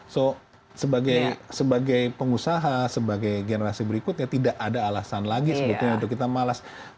so sebagai pengusaha sebagai generasi berikutnya tidak ada alasan lagi sebetulnya untuk kita malas